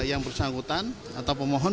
yang bersangkutan atau pemohon